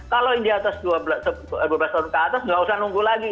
kalau yang di atas dua belas tahun ke atas nggak usah nunggu lagi